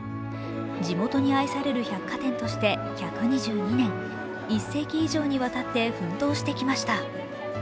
地元に愛される百貨店として１２２年１世紀以上にわたって奮闘してきました。